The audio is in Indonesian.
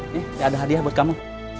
ini ada hadiah buat kamu